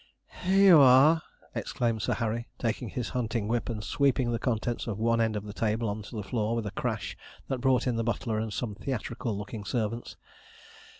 'Here you are!' exclaimed Sir Harry, taking his hunting whip and sweeping the contents of one end of the table on to the floor with a crash that brought in the butler and some theatrical looking servants.